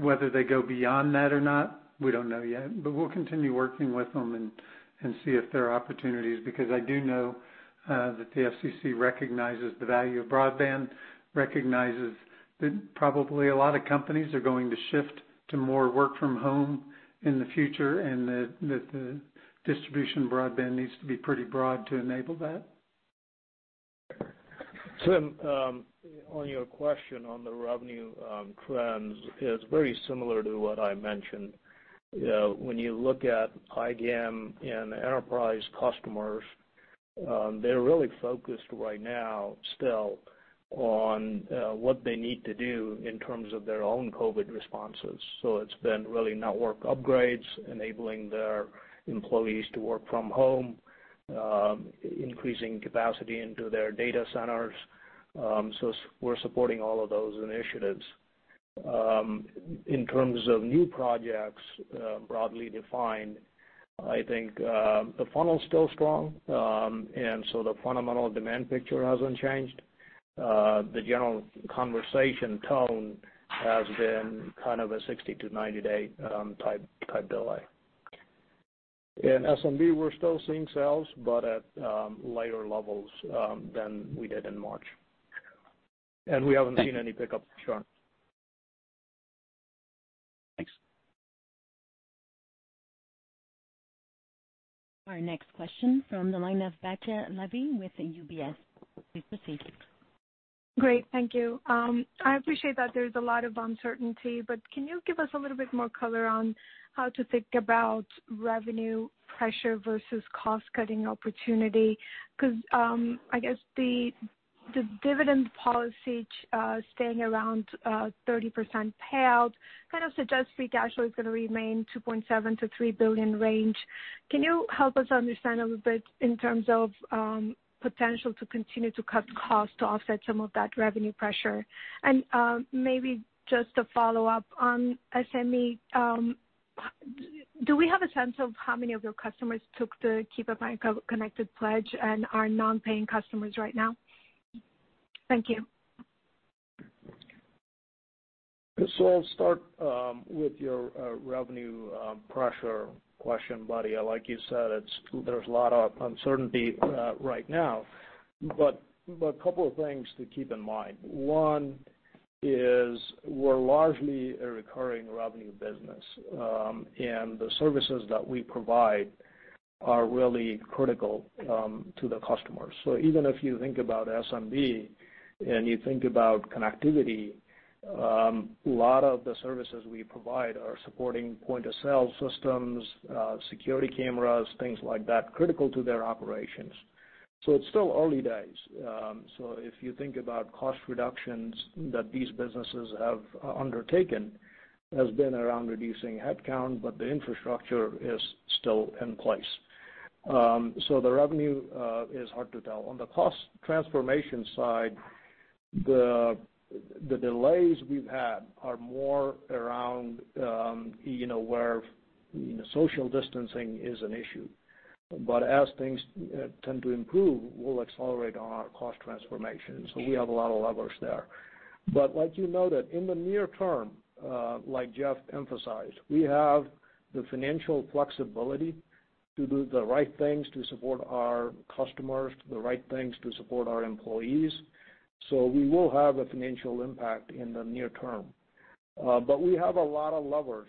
[SPEAKER 3] Whether they go beyond that or not, we don't know yet. We'll continue working with them and see if there are opportunities because I do know that the FCC recognizes the value of Broadband, recognizes that probably a lot of companies are going to shift to more work from home in the future, and that the distribution Broadband needs to be pretty broad to enable that.
[SPEAKER 4] Tim, on your question on the revenue trends, it's very similar to what I mentioned. When you look at IBM and Enterprise customers, they're really focused right now still on what they need to do in terms of their own COVID responses. It's been really Network upgrades, enabling their employees to work from home, increasing capacity into their data centers. We're supporting all of those initiatives. In terms of new projects broadly defined, I think the funnel is still strong, and the fundamental demand picture hasn't changed. The general conversation tone has been kind of a 60- to 90-day type delay. In SMB, we're still seeing sales, but at lighter levels than we did in March. We haven't seen any pickup for sure. Thanks.
[SPEAKER 1] Our next question from the line of Barbara Levi with UBS. Please proceed.
[SPEAKER 6] Great. Thank you. I appreciate that there's a lot of uncertainty, but can you give us a little bit more color on how to think about Revenue pressure versus Cost-cutting opportunity? Because I guess the dividend policy staying around 30% payout kind of suggests Free Cash Flow is going to remain $2.7 billion-$3 billion range. Can you help us understand a little bit in terms of potential to continue to cut costs to offset some of that revenue pressure? And maybe just a follow-up on SME, do we have a sense of how many of your customers took the Keep Up My Connected pledge and are Non-paying customers right now? Thank you.
[SPEAKER 4] I'll start with your revenue pressure question, Buddy. Like you said, there's a lot of uncertainty right now. A couple of things to keep in mind. One is we're largely a recurring Revenue Business, and the services that we provide are really critical to the customers. Even if you think about SMB and you think about connectivity, a lot of the services we provide are supporting point-of-Sale Systems, Security Cameras, things like that, critical to their operations. It is still early days. If you think about Cost reductions that these businesses have undertaken, it has been around reducing headcount, but the infrastructure is still in place. The revenue is hard to tell. On the Cost transformation side, the delays we have had are more around where Social distancing is an issue. As things tend to improve, we will accelerate on our Cost transformation. We have a lot of levers there. Like you noted, in the near term, like Jeff emphasized, we have the Financial flexibility to do the right things to support our customers, the right things to support our employees. We will have a Financial impact in the near term. We have a lot of levers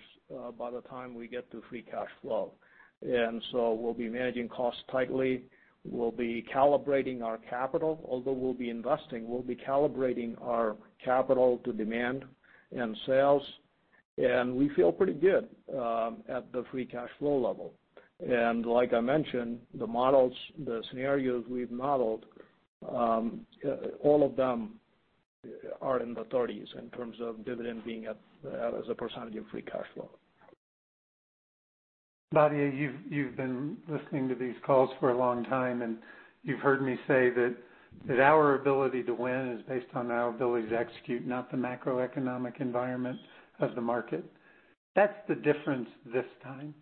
[SPEAKER 4] by the time we get to free cash flow. We will be managing Costs tightly. We will be calibrating our Capital. Although we will be investing, we will be calibrating our Capital to demand and sales. We feel pretty good at the Free Cash Flow level. Like I mentioned, the scenarios we have modeled, all of them are in the 30s in terms of dividend being as a percentage of Free Cash Flow.
[SPEAKER 3] Buddy, you have been listening to these calls for a long time, and you have heard me say that our ability to win is based on our ability to execute, not the Macroeconomic environment of the market. That is the difference this time.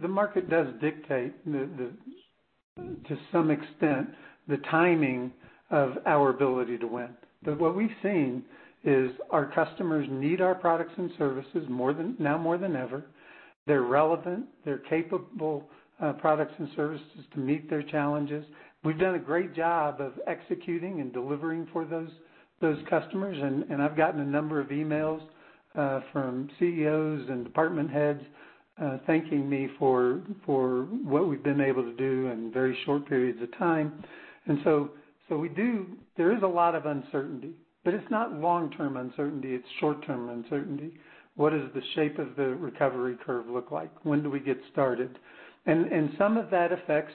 [SPEAKER 3] The market does dictate, to some extent, the timing of our ability to win. What we've seen is our customers need our Products and Services now more than ever. They're relevant. They're capable Products and Services to meet their challenges. We've done a great job of executing and delivering for those customers. I've gotten a number of emails from CEOs and Department Heads thanking me for what we've been able to do in very short periods of time. There is a lot of uncertainty, but it's not long-term uncertainty. It's short-term uncertainty. What does the shape of the Recovery Curve look like? When do we get started? Some of that affects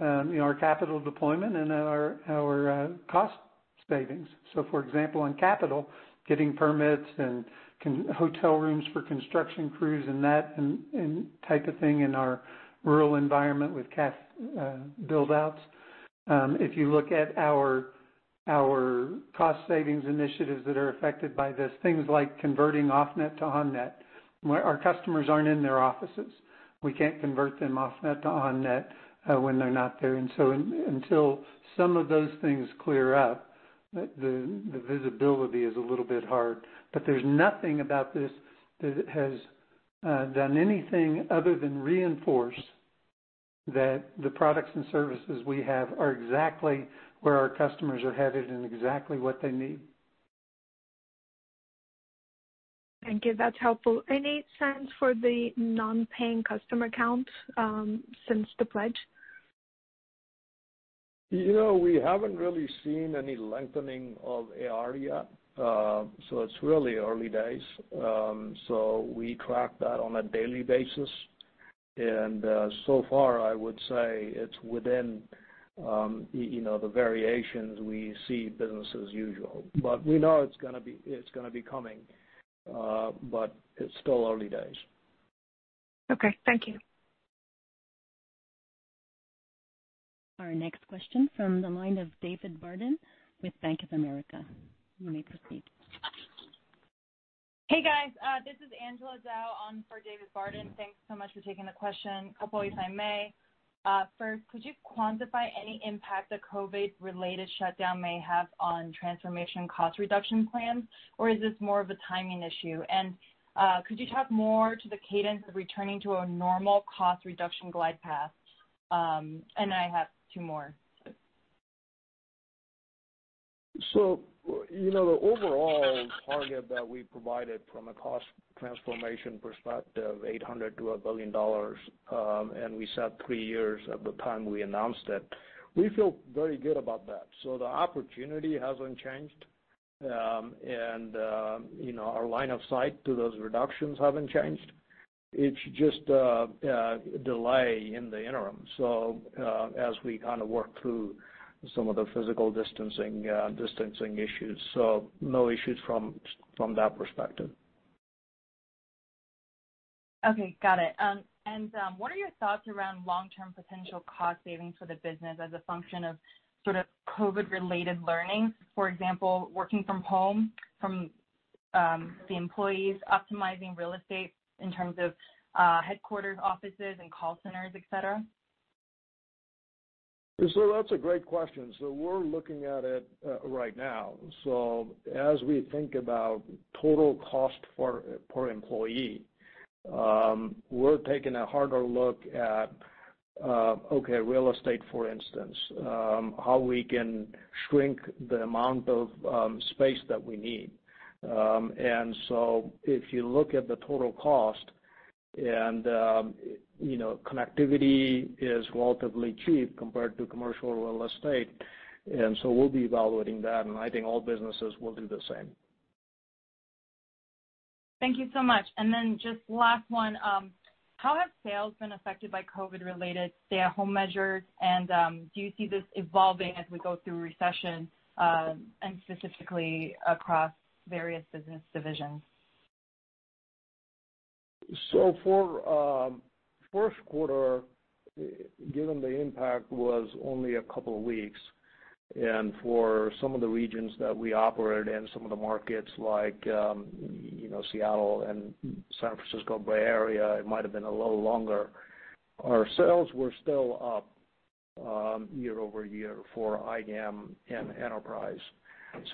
[SPEAKER 3] our Capital deployment and our cost savings. For example, on Capital, getting permits and Hotel Rooms for Construction Crews and that type of thing in our Rural environment with CAF buildouts. If you look at our Cost Savings initiatives that are affected by this, things like converting off-Net to on-Net. Our customers aren't in their offices. We can't convert them off-Net to on-Net when they're not there. Until some of those things clear up, the visibility is a little bit hard. There is nothing about this that has done anything other than reinforce that the Products and Services we have are exactly where our customers are headed and exactly what they need.
[SPEAKER 6] Thank you. That's helpful. Any sense for the Non-paying customer count since the pledge?
[SPEAKER 3] We haven't really seen any lengthening of AR yet. It is really early days. We track that on a daily basis. So far, I would say it's within the variations we see business as usual. We know it's going to be coming, but it's still early days.
[SPEAKER 6] Okay. Thank you.
[SPEAKER 1] Our next question from the line of David Barden with Bank of America. You may proceed.
[SPEAKER 7] Hey, guys. This is Angela Zhao on for David Barden. Thanks so much for taking the question. A couple of if I may. First, could you quantify any impact the COVID-related shutdown may have on transformation Cost Reduction plans, or is this more of a timing issue? Could you talk more to the cadence of returning to a normal Cost Reduction glide path? I have two more.
[SPEAKER 4] The overall target that we provided from a Cost transformation perspective, $800 million to $1 billion, and we set three years at the time we announced it, we feel very good about that. The opportunity has not changed, and our line of sight to those reductions has not changed.It's just a delay in the interim as we kind of work through some of the Physical Distancing issues. No issues from that perspective.
[SPEAKER 7] Okay. Got it. What are your thoughts around long-term potential Cost Savings for the business as a function of sort of COVID-related learning? For example, working from home, from the employees, optimizing Real Estate in terms of Headquarters, Offices, and Call Centers, etc.?
[SPEAKER 4] That's a great question. We're looking at it right now. As we think about total cost per employee, we're taking a harder look at, okay, Real Estate, for instance, how we can shrink the amount of space that we need. If you look at the total cost and connectivity is relatively cheap compared to commercial real estate, we'll be evaluating that. I think all businesses will do the same.
[SPEAKER 7] Thank you so much. Just last one. How have sales been affected by COVID-related stay-at-home measures? Do you see this evolving as we go through recession and specifically across various business divisions?
[SPEAKER 4] For first quarter, given the impact was only a couple of weeks, and for some of the regions that we operate in, some of the markets like Seattle and San Francisco Bay Area, it might have been a little longer. Our sales were still up year over year for IBM and enterprise.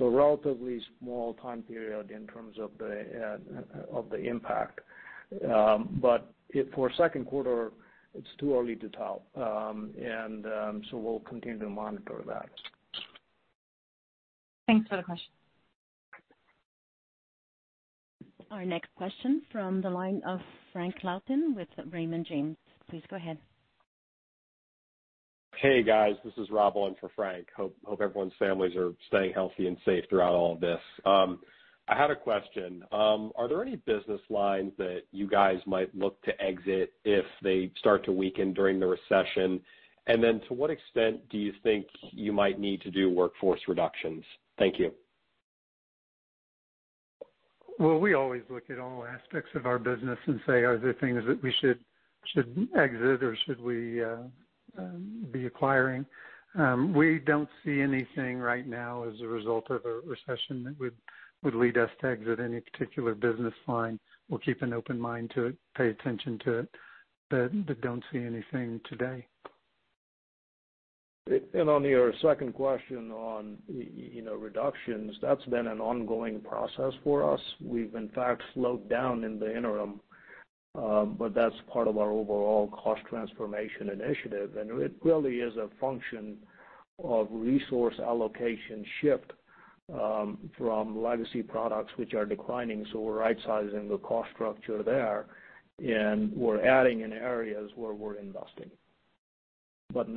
[SPEAKER 4] Relatively small time period in terms of the impact. For second quarter, it's too early to tell. We'll continue to monitor that.
[SPEAKER 1] Thanks for the question. Our next question from the line of Frank Louthan with Raymond James. Please go ahead.
[SPEAKER 8] Hey, guys. This is Rob Owen for Frank. Hope everyone's families are staying healthy and safe throughout all of this. I had a question. Are there any business lines that you guys might look to exit if they start to weaken during the recession? To what extent do you think you might need to do workforce reductions? Thank you.
[SPEAKER 3] We always look at all aspects of our business and say, are there things that we should exit or should we be acquiring? We do not see anything right now as a result of a recession that would lead us to exit any particular business line. We will keep an open mind to it, pay attention to it, but do not see anything today.
[SPEAKER 4] On your second question on reductions, that has been an ongoing process for us. We have, in fact, slowed down in the interim, but that is part of our overall Cost transformation initiative. It really is a function of Resource Allocation shift from Legacy Products, which are declining. We're right-sizing the Cost structure there, and we're adding in areas where we're investing. But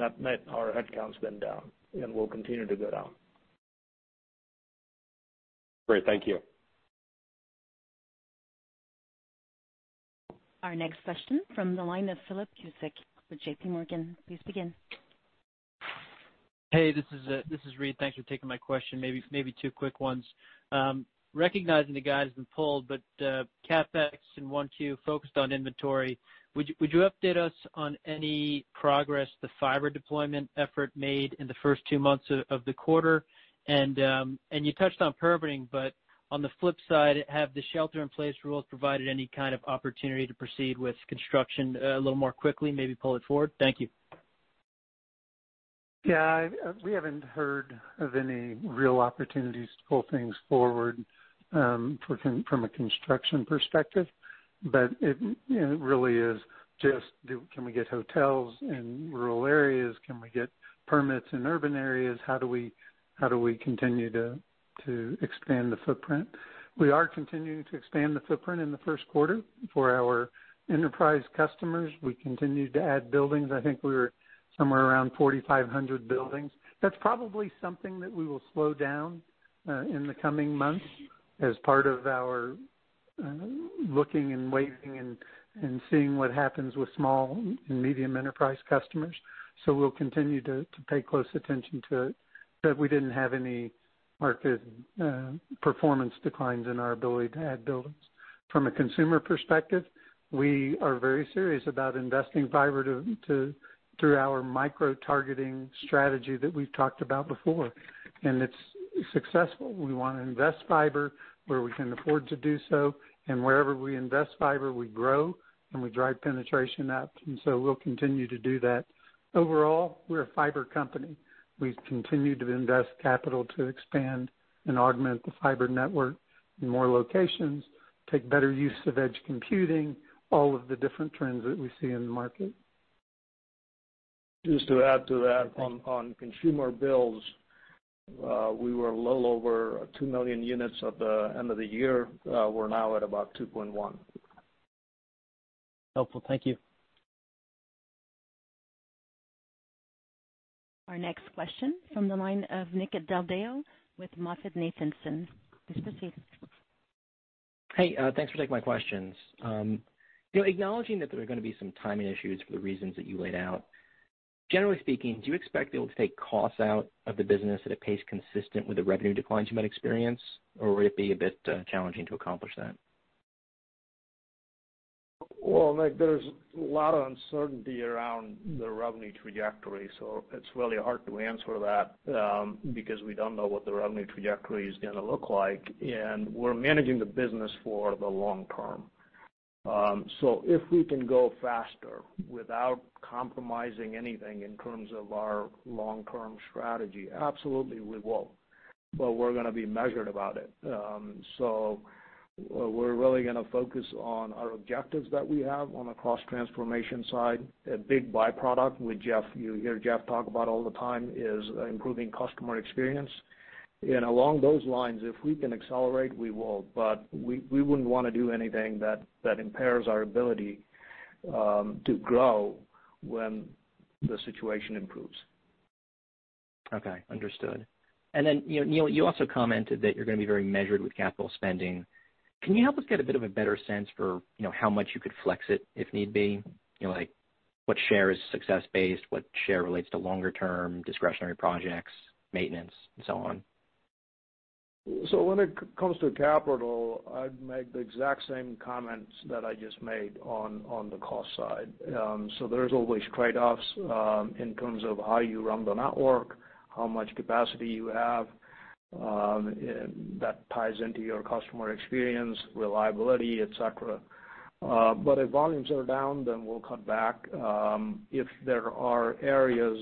[SPEAKER 4] our headcount's been down, and will continue to go down.
[SPEAKER 8] Great. Thank you.
[SPEAKER 1] Our next question from the line of Philip Cusick with JPMorgan. Please begin.
[SPEAKER 9] Hey, this is Reid. Thanks for taking my question. Maybe two quick ones. Recognizing the guys have been pulled, but CapEx and 1Q focused on inventory. Would you update us on any progress, the Fiber deployment effort made in the first two months of the quarter? And you touched on permitting, but on the flip side, have the shelter-in-place rules provided any kind of opportunity to proceed with construction a little more quickly, maybe pull it forward? Thank you.
[SPEAKER 3] Yeah. We haven't heard of any real opportunities to pull things forward from a construction perspective. But it really is just, can we get hotels in rural areas? Can we get permits in Urban areas? How do we continue to expand the footprint? We are continuing to expand the footprint in the first quarter for our enterprise customers. We continue to add buildings. I think we were somewhere around 4,500 buildings. That's probably something that we will slow down in the coming months as part of our looking and waiting and seeing what happens with small and medium enterprise customers. We will continue to pay close attention to it. We did not have any marked performance declines in our ability to add buildings. From a consumer perspective, we are very serious about investing Fiber through our Micro-targeting Strategy that we've talked about before. It is successful. We want to invest Fiber where we can afford to do so. Wherever we invest Fiber, we grow and we drive penetration up. We will continue to do that. Overall, we're a Fiber Company. We've continued to invest Capital to expand and Augment the Fiber Network in more locations, take better use of edge computing, all of the different trends that we see in the market.
[SPEAKER 4] Just to add to that, on consumer bills, we were a little over 2 million units at the end of the year. We're now at about 2.1 million.
[SPEAKER 9] Helpful. Thank you.
[SPEAKER 1] Our next question from the line of Nick Del Deo with MoffettNathanson. Please proceed.
[SPEAKER 10] Hey, thanks for taking my questions. Acknowledging that there are going to be some timing issues for the reasons that you laid out, generally speaking, do you expect to be able to take Costs out of the business at a pace consistent with the Revenue declines you might experience, or would it be a bit challenging to accomplish that?
[SPEAKER 4] Nick, there's a lot of uncertainty around the Revenue trajectory. It is really hard to answer that because we do not know what the Revenue trajectory is going to look like. We are managing the business for the long term. If we can go faster without compromising anything in terms of our long-term strategy, absolutely, we will. We are going to be measured about it. We are really going to focus on our objectives that we have on the cost transformation side. A big byproduct, which you hear Jeff talk about all the time, is improving customer experience. Along those lines, if we can accelerate, we will. We would not want to do anything that impairs our ability to grow when the situation improves.
[SPEAKER 10] Okay. Understood. Neel, you also commented that you are going to be very measured with capital spending. Can you help us get a bit of a better sense for how much you could Flex it if need be? What share is success-based? What share relates to longer-term discretionary projects, maintenance, and so on?
[SPEAKER 4] When it comes to Capital, I'd make the exact same comments that I just made on the Cost side. There are always trade-offs in terms of how you run the Network, how much capacity you have. That ties into your Customer Experience, reliability, etc. If volumes are down, then we'll cut back. If there are areas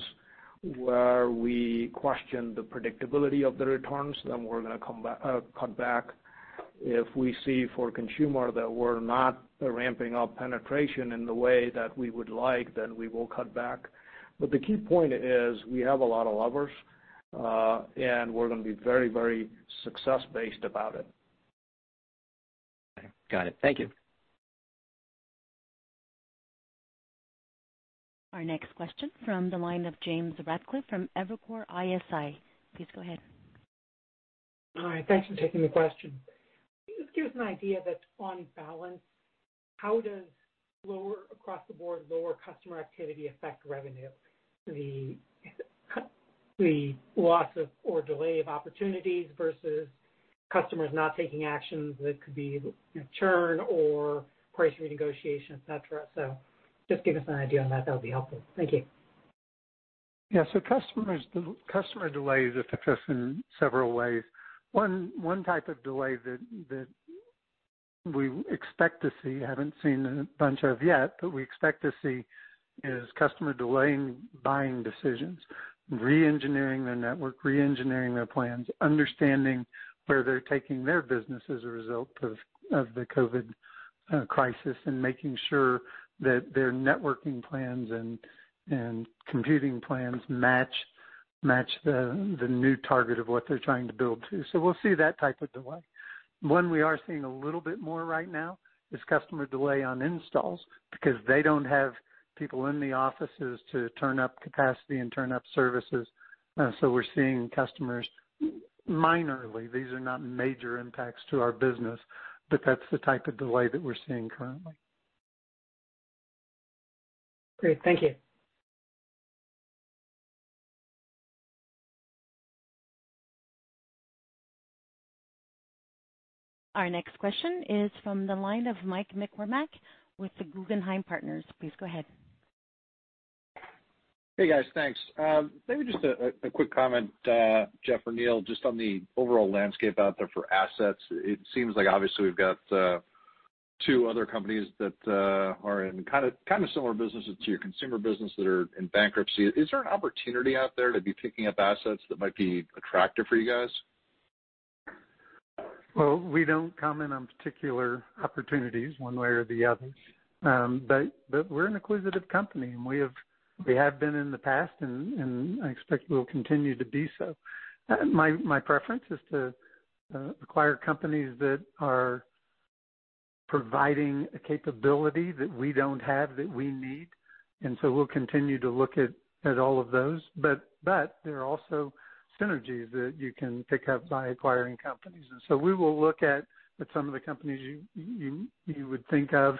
[SPEAKER 4] where we question the predictability of the returns, then we're going to cut back. If we see for consumer that we're not ramping up penetration in the way that we would like, then we will cut back. The key point is we have a lot of levers, and we're going to be very, very success-based about it.
[SPEAKER 10] Okay. Got it. Thank you.
[SPEAKER 1] Our next question from the line of James Ratcliffe from Evercore ISI. Please go ahead.
[SPEAKER 11] All right. Thanks for taking the question. It gives an idea that on balance, how does across the board lower customer activity affect revenue? The loss of or delay of opportunities versus customers not taking actions that could be churn or price renegotiation, etc. Just give us an idea on that. That would be helpful. Thank you.
[SPEAKER 3] Yeah. Customer delay is effective in several ways. One type of delay that we expect to see, have not seen a bunch of yet, but we expect to see is customer delaying buying decisions, re-engineering their Network, re-engineering their plans, understanding where they are taking their business as a result of the COVID crisis, and making sure that their Networking plans and Computing plans match the new target of what they are trying to build to. We will see that type of delay. One we are seeing a little bit more right now is customer delay on installs because they do not have people in the offices to turn up capacity and turn up services. We are seeing customers minorly. These are not major impacts to our business, but that is the type of delay that we are seeing currently.
[SPEAKER 11] Great. Thank you.
[SPEAKER 1] Our next question is from the line of Mike McCormack with Guggenheim Partners. Please go ahead.
[SPEAKER 12] Hey, guys. Thanks. Maybe just a quick comment, Jeff or Neel, just on the overall landscape out there for assets. It seems like, obviously, we've got two other companies that are in kind of similar businesses to your consumer business that are in Bankruptcy. Is there an opportunity out there to be picking up assets that might be attractive for you guys?
[SPEAKER 3] We do not comment on particular opportunities one way or the other. We are an acquisitive company, and we have been in the past, and I expect we will continue to be so. My preference is to acquire companies that are providing a capability that we do not have that we need. We will continue to look at all of those. There are also synergies that you can pick up by acquiring companies. We will look at some of the companies you would think of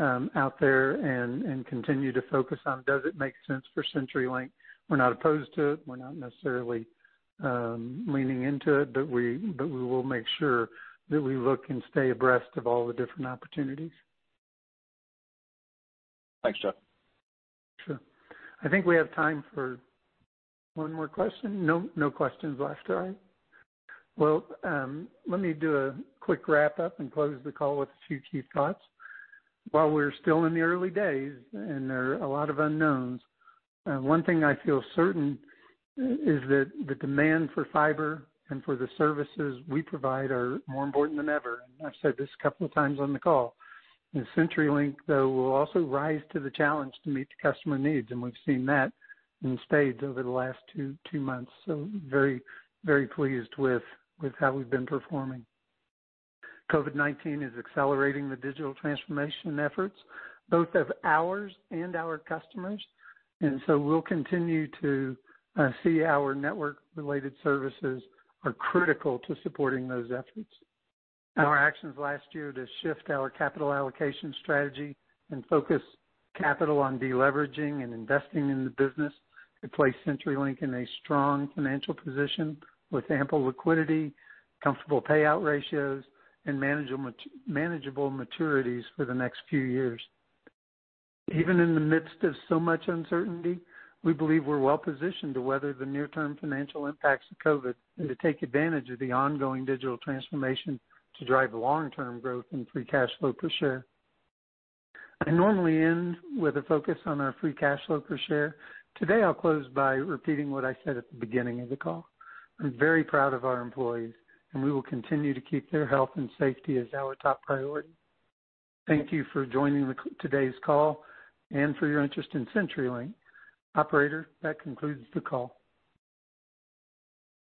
[SPEAKER 3] out there and continue to focus on, does it make sense for CenturyLink? We're not opposed to it. We're not necessarily leaning into it, but we will make sure that we look and stay abreast of all the different opportunities.
[SPEAKER 12] Thanks, Jeff.
[SPEAKER 3] Sure. I think we have time for one more question. No questions left, right? Let me do a quick wrap-up and close the call with a few key thoughts. While we're still in the early days, and there are a lot of unknowns, one thing I feel certain is that the demand for Fiber and for the Services we provide are more important than ever. I've said this a couple of times on the call. CenturyLink, though, will also rise to the challenge to meet the customer needs. We have seen that in the states over the last two months. Very pleased with how we have been performing. COVID-19 is accelerating the Digital Transformation efforts, both of ours and our customers. We will continue to see our Network-related Services are critical to supporting those efforts. Our actions last year to shift our Capital Allocation Strategy and focus capital on deleveraging and investing in the business have placed CenturyLink in a strong Financial position with ample Liquidity, comfortable payout ratios, and manageable maturities for the next few years. Even in the midst of so much uncertainty, we believe we are well-positioned to weather the near-term Financial impacts of COVID and to take advantage of the ongoing Digital Transformation to drive long-term growth and Free Cash Flow per share. I normally end with a focus on our Free Cash Flow per share. Today, I'll close by repeating what I said at the beginning of the call. I'm very proud of our employees, and we will continue to keep their health and safety as our top priority. Thank you for joining today's call and for your interest in CenturyLink. Operator, that concludes the call.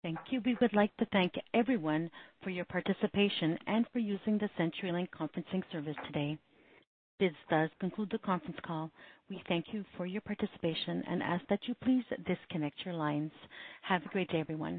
[SPEAKER 1] Thank you. We would like to thank everyone for your participation and for using the CenturyLink conferencing service today. This does conclude the conference call. We thank you for your participation and ask that you please disconnect your lines. Have a great day, everyone.